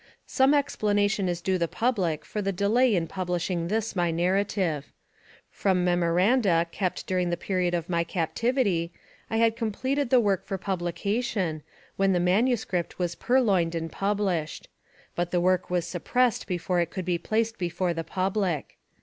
Some explanation is due the public for the delay in publishing this my narrative. From memoranda, kept during the period of my captivity, I had completed the work for publication, when the manuscript was purloined and published ; but the work was suppressed before it could be placed before the public.